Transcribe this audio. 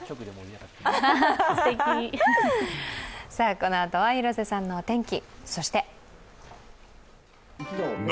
このあとは広瀬さんのお天気。